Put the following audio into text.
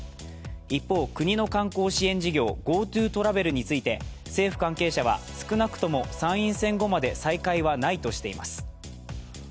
一方、国の観光支援事業、ＧｏＴｏトラベルについて政府関係者は、少なくとも参院選後まで再開はないとしています。